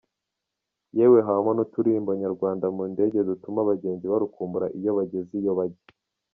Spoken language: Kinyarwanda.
Yewe habamo n’uturirimbo nyarwanda mu ndege dutuma abagenzi barukumbura iyo bageze iyo bajya.